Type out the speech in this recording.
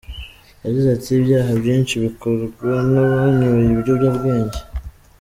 Yagize ati :"Ibyaha byinshi bikorwa n’abanyoye ibiyobyabwege.